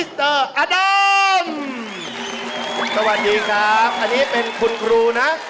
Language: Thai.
สวัสดีครับอันนี้เป็นคุณครูนะ